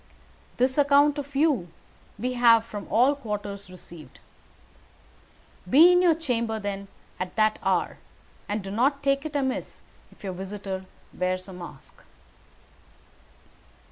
This account of you we have from all quarters received. Be in your chamber, then, at that hour, and do not take it amiss if your visitor wears a mask."